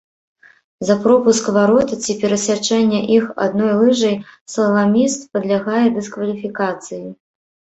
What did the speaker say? За пропуск варот ці перасячэнне іх адной лыжай слаламіст падлягае дыскваліфікацыі.